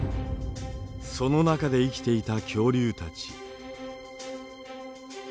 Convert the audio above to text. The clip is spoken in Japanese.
その中で生きていた恐竜たち。